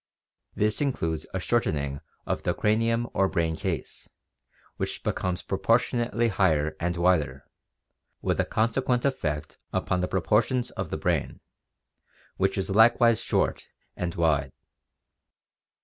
This includes a shortening of the cranium or brain case, which becomes proportionately higher and wider, with a consequent effect upon the proportions of the brain, which is likewise short and wide.